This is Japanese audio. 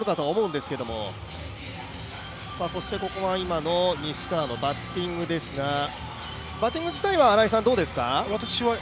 そして、西川のバッティングですがバッティング自体はどうですか？